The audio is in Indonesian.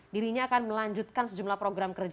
dirinya akan melanjutkan sejumlah program kerja